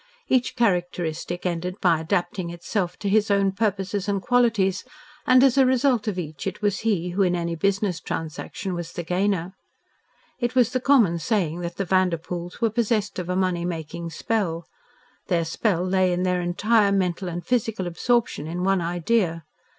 Each characteristic ended by adapting itself to his own purposes and qualities, and as a result of each it was he who in any business transaction was the gainer. It was the common saying that the Vanderpoels were possessed of a money making spell. Their spell lay in their entire mental and physical absorption in one idea.